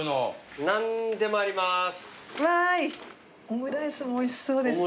オムライスもおいしそうです。